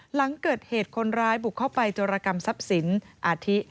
หลังเกิดเหตุคนร้ายบุกเข้าไปโจรกรรมทรัพย์สินอาทิ